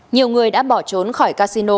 nhiều người đã bỏ trốn khỏi casino